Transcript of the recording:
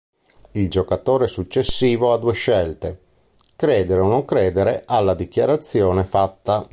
Il giocatore successivo ha due scelte: credere o non credere alla dichiarazione fatta.